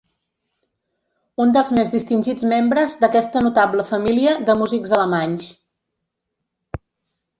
Un dels més distingits membres d'aquesta notable família de músics alemanys.